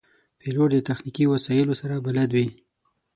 پیلوټ د تخنیکي وسایلو سره بلد وي.